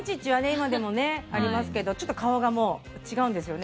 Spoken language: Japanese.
今でもありますけどちょっと、顔がもう違うんですよね。